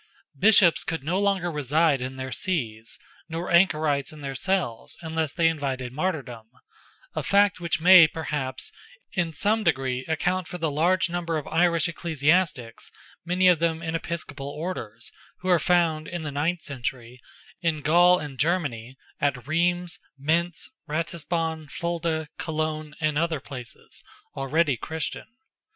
Bishops could no longer reside in their sees, nor anchorites in their cells, unless they invited martyrdom; a fact which may, perhaps, in some degree account for the large number of Irish ecclesiastics, many of them in episcopal orders, who are found, in the ninth century, in Gaul and Germany, at Rheims, Mentz, Ratisbon, Fulda, Cologne, and other places, already Christian.